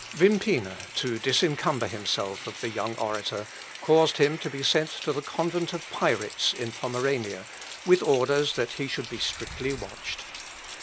Wimpina, to disencumber himself of the young orator, caused him to be sent to the convent of Pyritz in Pomerania, with orders that he should be strictly watched.